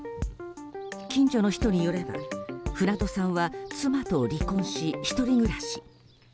近所の人によれば、船戸さんは妻と離婚し１人暮らし。